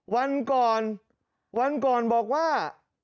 วันก่อนวันก่อนบอกว่า